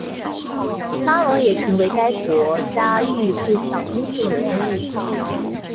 拉蒙也成为该国家喻户晓的英雄人物。